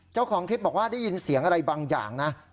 เจ้าของคลิปบอกว่าได้ยินเสียงอะไรบางอย่างนะ